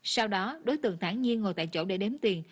sau đó đối tượng thản nhiên ngồi tại chỗ để đếm tiền